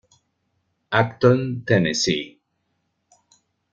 Acton Tennessee